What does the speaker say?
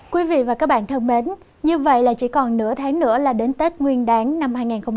quý vị và các bạn thân mến như vậy là chỉ còn nửa tháng nữa là đến tết nguyên đáng năm hai nghìn hai mươi